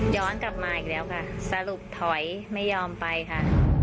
กลับมาอีกแล้วค่ะสรุปถอยไม่ยอมไปค่ะ